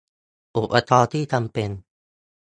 อุปกรณ์ที่จำเป็น